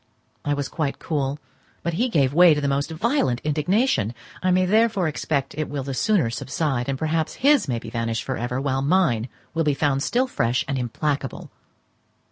I was quite cool, but he gave way to the most violent indignation; I may therefore expect it will the sooner subside, and perhaps his may be vanished for ever, while mine will be found still fresh and implacable.